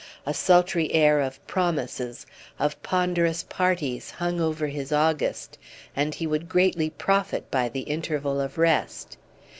A sultry air of promises, of ponderous parties, hung over his August, and he would greatly profit by the interval of rest.